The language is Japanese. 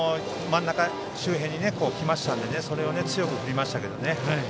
真ん中周辺にきましたのでそれを強く振りましたけどね。